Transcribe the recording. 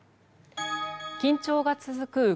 緊張が続く